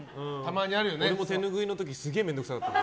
俺も手拭いの時すごい面倒くさかった。